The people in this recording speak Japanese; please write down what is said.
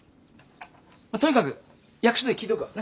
まあとにかく役所で聞いとくわなっ。